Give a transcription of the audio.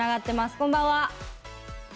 こんばんは。